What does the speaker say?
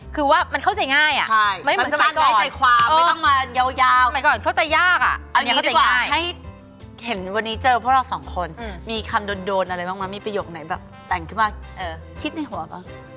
คือว่ามันเข้าใจง่ายอะไม่เหมือนสมัยก่อนเอาอย่างนี้ดีกว่าให้เห็นวันนี้เจอพวกเราสองคนมีคำโดนอะไรบ้างมั้ยมีประโยคไหนแบบแต่งขึ้นมาคิดในหัวป่ะ